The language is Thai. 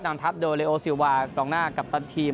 นำทัพโดยเลโอซิลวากองหน้ากัปตันทีม